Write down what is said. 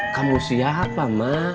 kamu siapa emak